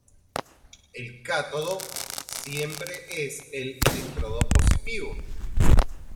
El cátodo siempre es el electrodo positivo.